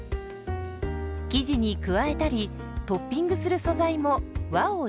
生地に加えたりトッピングする素材も和を意識。